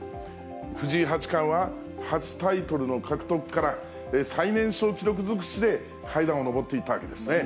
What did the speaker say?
藤井八冠は、初タイトルの獲得から最年少記録尽くしで、階段を上っていったわけですね。